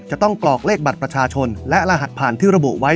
กรอกเลขบัตรประชาชนและรหัสผ่านที่ระบุไว้